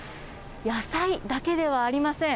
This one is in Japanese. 野菜だけではありません。